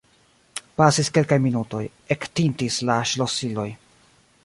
Pasis kelkaj minutoj; ektintis la ŝlosiloj.